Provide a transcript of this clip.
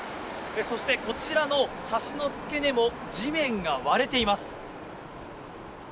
そして、こちらの橋の付け根も地面が割れています。